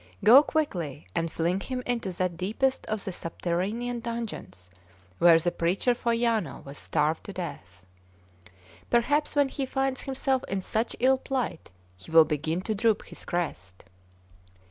Go quickly, and fling him into that deepest of the subterranean dungeons where the preacher Foiano was starved to death. Perhaps when he finds himself in such ill plight he will begin to droop his crest."